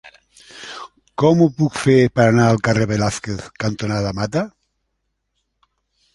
Com ho puc fer per anar al carrer Velázquez cantonada Mata?